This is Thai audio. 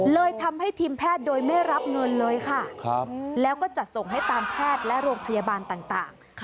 เลยทำให้ทีมแพทย์โดยไม่รับเงินเลยค่ะแล้วก็จัดส่งให้ตามแพทย์และโรงพยาบาลต่าง